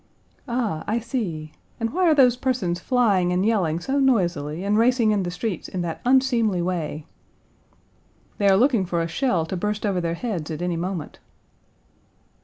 "Ah! I see; and why are those persons flying and yelling so noisily and racing in the streets in that unseemly way?" "They are looking for a shell to burst over their heads at any moment."